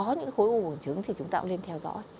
tất cả những khối u bùng trứng thì chúng ta cũng nên theo dõi